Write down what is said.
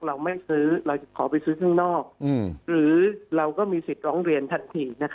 เราไม่ซื้อเราจะขอไปซื้อข้างนอกหรือเราก็มีสิทธิ์ร้องเรียนทันที